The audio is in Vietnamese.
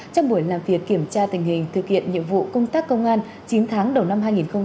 trong buổi làm việc kiểm tra tình hình thực hiện nhiệm vụ công tác công an chín tháng đầu năm hai nghìn hai mươi ba